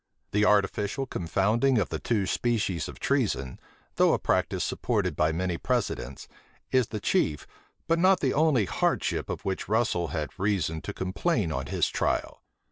The artificial confounding of the two species of treason, though a practice supported by many precedents, is the chief, but not the only hardship of which Russel had reason to complain on his trial.